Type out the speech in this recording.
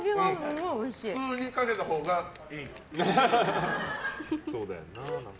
普通にかけたほうがいい。